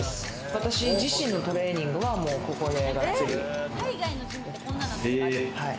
私自身のトレーニングはもうここでガッツリやってます。